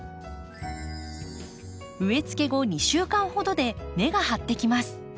植えつけ後２週間ほどで根が張ってきます。